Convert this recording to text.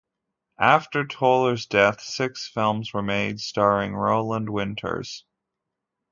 After Toler's death, six films were made, starring Roland Winters.